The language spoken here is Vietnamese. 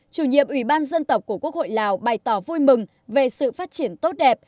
chủ nhiệm ủy ban dân tộc của quốc hội lào bày tỏ vui mừng về sự phát triển tốt đẹp